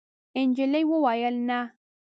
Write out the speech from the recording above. نجلۍ وویل: «نه.»